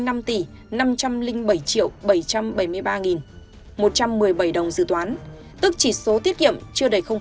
giảm một chín trăm bảy mươi sáu tỷ năm trăm linh bảy triệu chín trăm sáu mươi bảy một trăm một mươi bảy đồng dự toán tức chỉ số tiết kiệm chưa đầy một